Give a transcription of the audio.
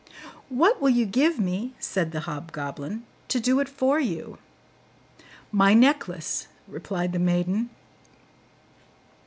'What will you give me,' said the hobgoblin, 'to do it for you?' 'My necklace,' replied the maiden.